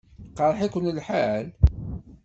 Iqṛeḥ-iken lḥal?